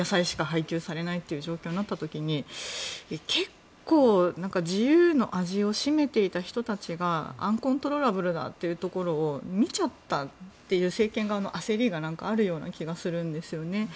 野菜しか配給されないという状況になった時に結構自由の味を占めていた人たちがアンコントローラブルだというところを見ちゃったっという政権側の焦りがある気がするんです。